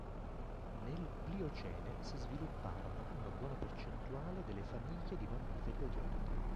Nel Pliocene si svilupparono una buona percentuale delle famiglie di mammiferi odierne.